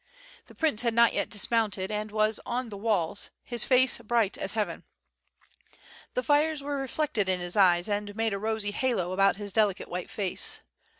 The prince had not yet dismounted, and was on the walls, his face bright as heaven. The fires were reflected in his eyes and made a rosy halo about his delicate white face.